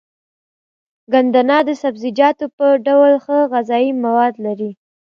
ګندنه د سبزيجاتو په ډول ښه غذايي مواد لري.